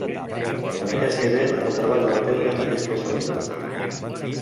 En aquest nivell el treball de la pedra és més refinat.